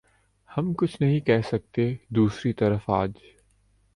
ہم کچھ نہیں کہہ سکتے دوسری طرف آج